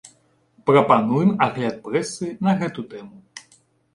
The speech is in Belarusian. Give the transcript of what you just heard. Прапануем агляд прэсы на гэту тэму.